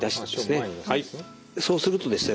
そうするとですね